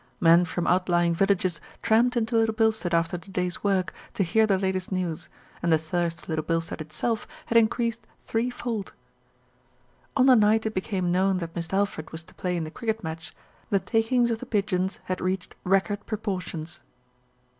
Men from outlying villages tramped into Little Bilstead after the day's work to hear the latest news, and the thirst of Little Bilstead itself had increased three fold. On the night it became known that Mist' Alfred was to play in the cricket match, the takings of The Pigeons had reached record proportions.